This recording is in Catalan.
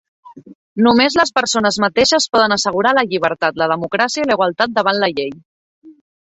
Només les persones mateixes poden assegurar la llibertat, la democràcia i la igualtat davant la llei.